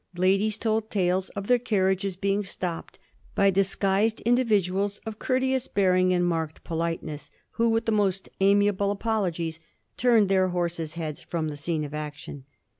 Ladies told tales of their carriages being stopped by disguised individuals of courteous bearing and marked politeness, who with the most amiable apologies turned their horses' heads from the scene of action.